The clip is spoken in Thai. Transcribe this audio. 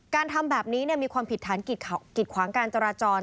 การทำแบบนี้มีความผิดฐานกิดขวางการจราจร